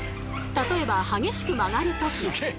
例えば激しく曲がるとき。